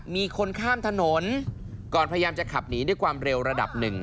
มีคนข้ามถนนก่อนพยายามจะขับหนีด้วยความเร็วระดับหนึ่ง